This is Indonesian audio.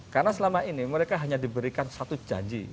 karena selama ini mereka hanya diberikan satu janji